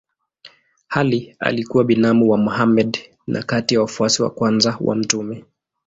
Ali alikuwa binamu wa Mohammed na kati ya wafuasi wa kwanza wa mtume.